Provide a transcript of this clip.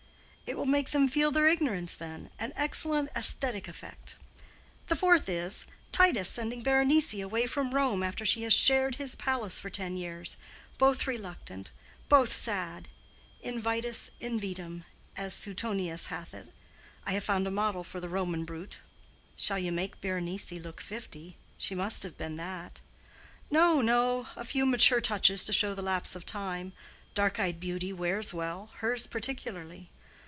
"It will make them feel their ignorance then—an excellent æsthetic effect. The fourth is, Titus sending Berenice away from Rome after she has shared his palace for ten years—both reluctant, both sad—invitus invitam, as Suetonius hath it. I've found a model for the Roman brute." "Shall you make Berenice look fifty? She must have been that." "No, no; a few mature touches to show the lapse of time. Dark eyed beauty wears well, hers particularly.